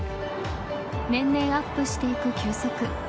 年々、アップしていく球速。